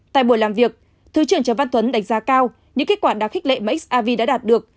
tại buổi làm việc thứ trưởng trần văn tuấn đánh giá cao những kết quả đáng khích lệ mà xrvi đã đạt được